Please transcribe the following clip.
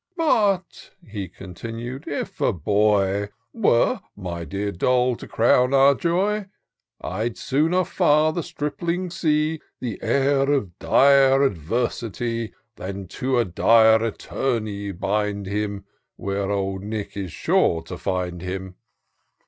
" But," he continued, " if a boy Were, my dear Doll, to crown our joy, I'd sooner, far, the stripling see The heir of dire Adversity, Than to a dire Attorney bind him. Where Old Nick is sure to find him."